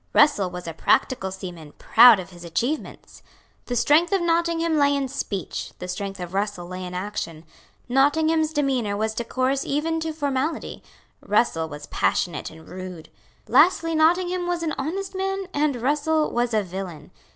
Russell was a practical seaman, proud of his achievements. The strength of Nottingham lay in speech; the strength of Russell lay in action. Nottingham's demeanour was decorous even to formality; Russell was passionate and rude. Lastly Nottingham was an honest man; and Russell was a villain.